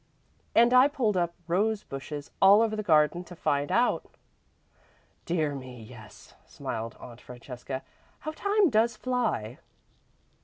And I pulled up rose bushes all over the garden to find out." "Dear me, yes," smiled Aunt Francesca. "How time does fly!"